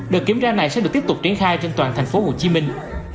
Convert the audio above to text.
đợt kiểm tra này sẽ được tiếp tục triển khai trên toàn thành phố hồ chí minh